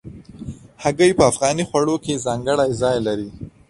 هګۍ په افغاني خوړو کې ځانګړی ځای لري.